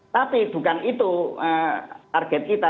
tapi bukan itu target kita